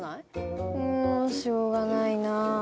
もうしょうがないな。